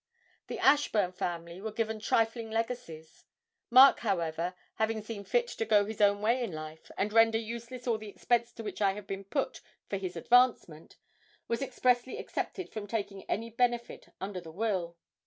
The Ashburn family were given trifling legacies; Mark, however, 'having seen fit to go his own way in life, and render useless all the expense to which I have been put for his advancement,' was expressly excepted from taking any benefit under the will.